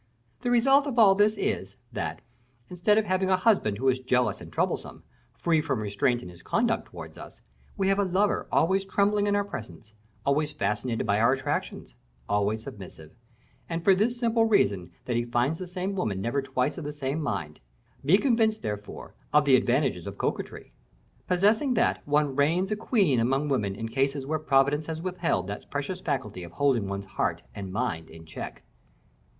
The result of all this is, that, instead of having a husband who is jealous and troublesome, free from restraint in his conduct towards us, we have a lover always trembling in our presence, always fascinated by our attractions, always submissive; and for this simple reason, that he finds the same woman never twice of the same mind. Be convinced, therefore, of the advantages of coquetry. Possessing that, one reigns a queen among women in cases where Providence has withheld that precious faculty of holding one's heart and mind in check."